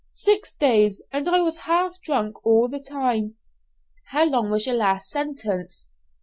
"Six days, and I was half drunk all the time." "How long was your last sentence?"